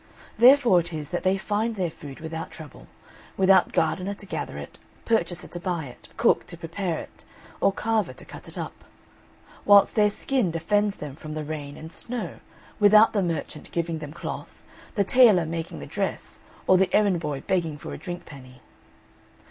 Therefore it is that they find their food without trouble, without gardener to gather it, purchaser to buy it, cook to prepare it, or carver to cut it up; whilst their skin defends them from the rain and snow, without the merchant giving them cloth, the tailor making the dress, or the errand boy begging for a drink penny.